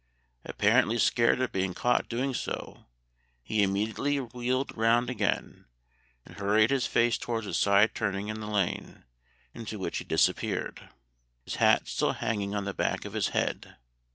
Apparently scared at being caught doing so, he immediately wheeled round again, and hurried his face towards a side turning in the lane, into which he disappeared, his hat still hanging on the back of his head.